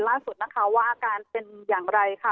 ล่าสุดนะคะว่าอาการเป็นอย่างไรค่ะ